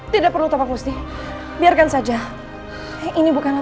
tidak perlu topak musti biarkan saja ini bukanlah